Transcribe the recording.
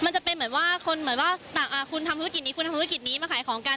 มันจะเป็นเหมือนว่าคนเหมือนว่าคุณทำธุรกิจนี้คุณทำธุรกิจนี้มาขายของกัน